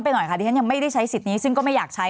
หน่อยค่ะที่ฉันยังไม่ได้ใช้สิทธิ์นี้ซึ่งก็ไม่อยากใช้